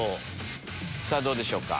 さぁどうでしょうか？